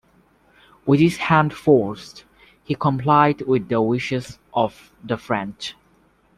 With his hand forced, he complied with the wishes of the French.